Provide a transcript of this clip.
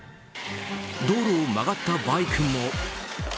道路を曲がったバイクも。